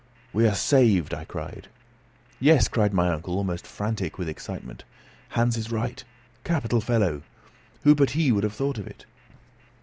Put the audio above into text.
"We are saved!" I cried. "Yes," cried my uncle, almost frantic with excitement. "Hans is right. Capital fellow! Who but he would have thought of it?"